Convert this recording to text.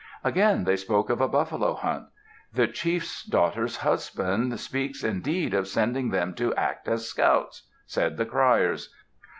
Again they spoke of a buffalo hunt. "The chief's daughter's husband speaks indeed of sending them to act as scouts," said the criers.